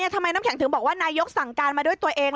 น้ำแข็งถึงบอกว่านายกสั่งการมาด้วยตัวเอง